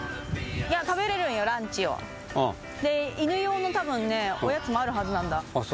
いや食べれるんよランチをうんで犬用の多分ねおやつもあるはずなんだあっ